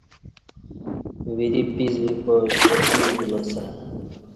وری پیس بیبا شاپیس بولاسسݩع